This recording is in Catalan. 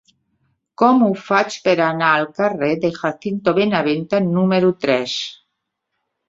Com ho faig per anar al carrer de Jacinto Benavente número tres?